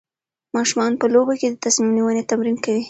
ماشومان په لوبو کې د تصمیم نیونې تمرین کوي.